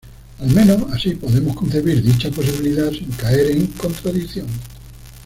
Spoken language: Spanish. Al menos así podemos concebir dicha posibilidad sin caer en contradicción.